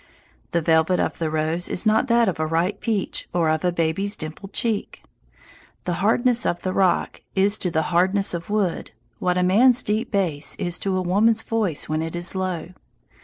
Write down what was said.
The velvet of the rose is not that of a ripe peach or of a baby's dimpled cheek. The hardness of the rock is to the hardness of wood what a man's deep bass is to a woman's voice when it is low.